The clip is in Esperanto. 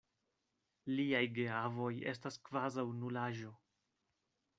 Liaj geavoj estas kvazaŭ nulaĵo.